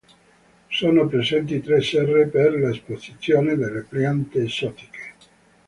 Sono presenti tre serre, per l'esposizione delle piante esotiche.